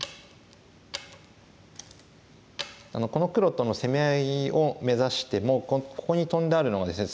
この黒との攻め合いを目指してもここにトンであるのがですね